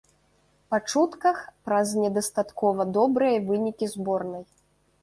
Па чутках, праз недастаткова добрыя вынікі зборнай.